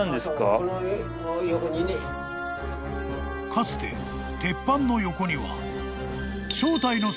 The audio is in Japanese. ［かつて鉄板の横には］